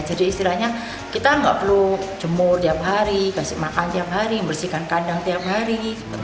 jadi istilahnya kita nggak perlu jemur tiap hari kasih makan tiap hari bersihkan kandang tiap hari